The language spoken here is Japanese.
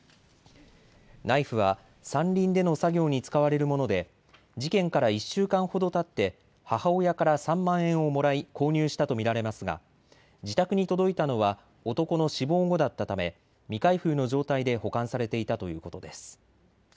ナイフは山林での作業に使われるもので事件から１週間ほどたって母親から３万円をもらい購入したと見られますが自宅に届いたのは男の死亡後だったため、未開封の状態で保管されていたということです。